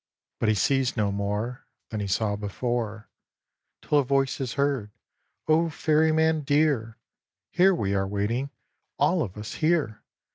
But he sees no more Than he saw before, Till a voice is heard "O Ferryman, dear! Here we are waiting, all of us here!